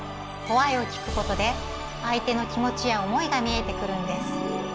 「Ｗｈｙ」を聞くことで相手の気持ちや思いが見えてくるんです。